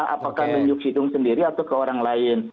apakah menyuk sidung sendiri atau ke orang lain